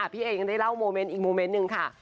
พี่เอ๋ยังได้เล่าองค์อีกอก่อนค่ะ